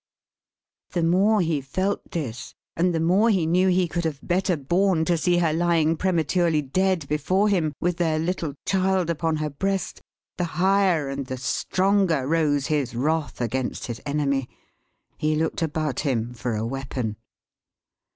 The more he felt this, and the more he knew he could have better borne to see her lying prematurely dead before him with their little child upon her breast, the higher and the stronger rose his wrath against his enemy. He looked about him for a weapon.